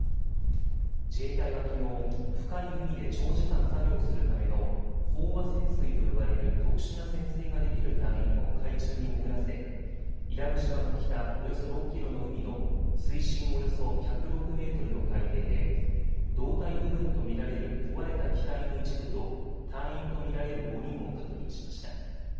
自衛隊はきのう深い海で長時間作業するための飽和潜水と呼ばれる特殊な潜水ができる隊員を海中に潜らせ伊良部島の北およそ６キロの海の水深およそ１０６メートルの海底で胴体部分と見られる壊れた機体の一部と隊員と見られる５人を確認しました。